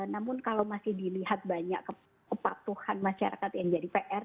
namun kalau masih dilihat banyak kepatuhan masyarakat yang jadi pr